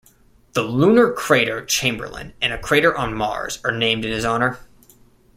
The lunar crater Chamberlin and a crater on Mars are named in his honor.